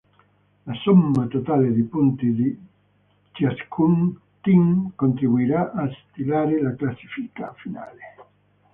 La somma totale dei punti di ciascun team contribuirà a stilare la classifica finale.